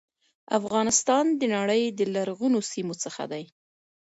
افغانستان د نړی د لرغونو سیمو څخه دی.